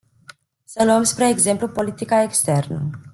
Să luăm spre exemplu politica externă.